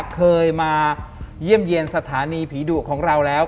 เคยมาเยี่ยมเยี่ยมสถานีผีดุของเราแล้ว